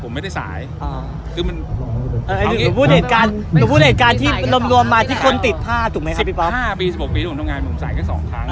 ผมไม่ได้สายอ่าคือมันเอ่อพูดเหตุการณ์ที่มันรวมโดมมาที่คนติดผ้าถูกไหมครับสิบห้าปีสิบหกปีผมทำงานผมสายเวลาสองครั้งค่ะ